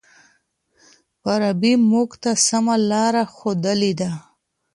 فارابي موږ ته سمه لار ښودلې ده.